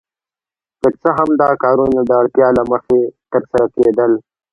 که څه هم دا کارونه د اړتیا له مخې ترسره کیدل.